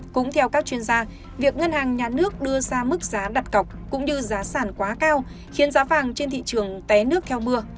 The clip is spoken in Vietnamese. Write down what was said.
cũng theo các chuyên gia việc ngân hàng nhà nước đưa ra mức giá đặt cọc cũng như giá sản quá cao khiến giá vàng trên thị trường té nước theo mưa